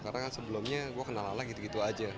karena kan sebelumnya gue kenal lala gitu gitu aja